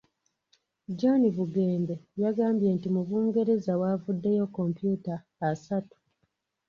John Bugembe, yagambye nti mu Bungereza, waavuddeyo computer asatu.